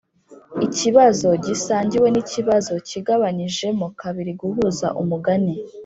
ikibazo gisangiwe nikibazo kigabanyijemo kabiri guhuza umugani